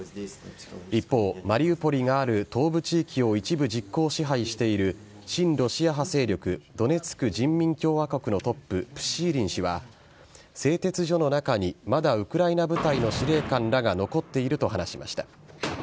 一方、マリウポリがある東部地域を一部実効支配している親ロシア派勢力ドネツク人民共和国のトッププシーリン氏は製鉄所の中にまだウクライナ部隊の司令官らが残っていると話しました。